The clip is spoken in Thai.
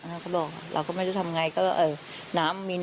เขาก็บอกเราก็ไม่ได้ทำยังไง